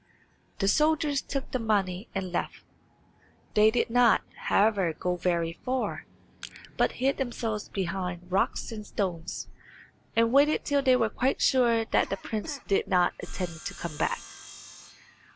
The soldiers took the money and left; they did not, however, go very far, but hid themselves behind rocks and stones, and waited till they were quite sure that the prince did not intend to come back.